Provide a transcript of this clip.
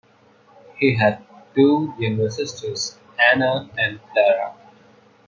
He had two younger sisters, Anna and Clara.